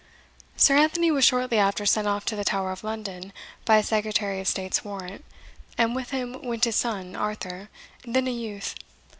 Sir Anthony was shortly after sent off to the Tower of London by a secretary of state's warrant, and with him went his son, Arthur, then a youth.